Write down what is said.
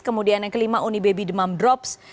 kemudian yang kelima unibaby demam drops